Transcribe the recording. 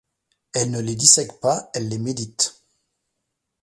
Elle ne les dissèque pas, elle les médite.